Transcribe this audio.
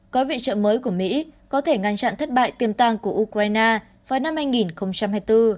gói viện trợ mới của mỹ có thể ngăn chặn thất bại tiềm tàng của ukraine vào năm hai nghìn hai mươi bốn